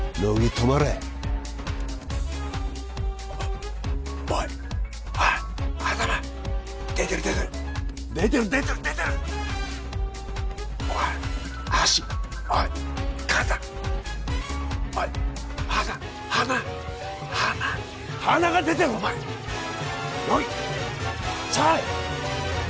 止まれおいっおいっ頭出てる出てる出てる出てる出てるおい足おいっ肩おい鼻鼻鼻鼻が出てるお前乃木下がれ！